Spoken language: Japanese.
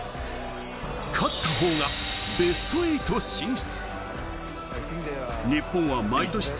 勝った方がベスト８進出。